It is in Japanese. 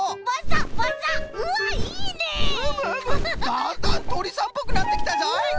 だんだんとりさんっぽくなってきたぞい。